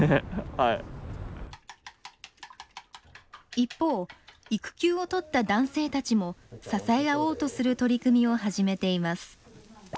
一方育休を取った男性たちも支え合おうとする取り組みを始めています。